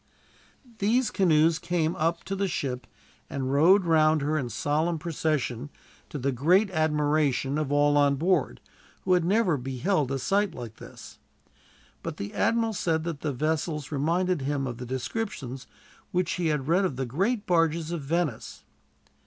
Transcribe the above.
These canoes came up to the ship and rowed round her in solemn procession, to the great admiration of all on board, who had never beheld a sight like this. But the admiral said that the vessels reminded him of the descriptions which he had read of the great barges of Venice.